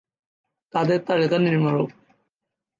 তাদের তালিকা নিম্নরূপঃ-